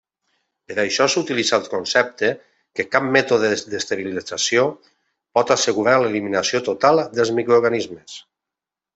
Per això s'utilitza el concepte que cap mètode d'esterilització pot assegurar l'eliminació total dels microorganismes.